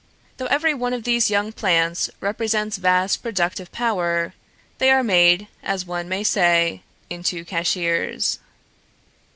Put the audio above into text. Though every one of these young plants represents vast productive power, they are made, as one may say, into cashiers.